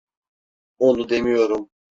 Onu demiyorum.